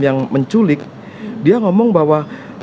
yang menculik dia ngomong bahwa